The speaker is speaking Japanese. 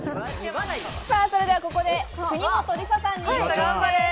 それではここで国本梨紗さんにクイズです。